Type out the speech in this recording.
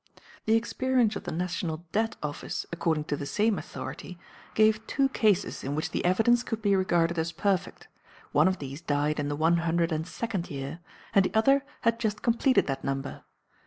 The experience of the National Debt Office, according to the same authority, gave two cases in which the evidence could be regarded as perfect; one of these died in the one hundred and second year, and the other had just completed that number.